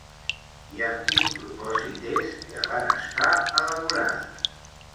I amb quin propòsit és que van estar elaborades?